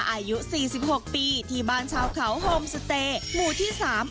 อายุสี่สิบหกปีที่บ้านชาวเขาโฮมสเตย์หมู่ที่สาม